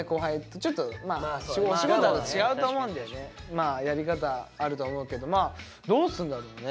まあやり方あると思うけどどうすんだろうね？